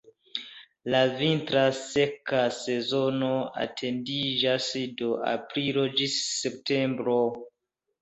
La vintra seka sezono etendiĝas de aprilo ĝis septembro.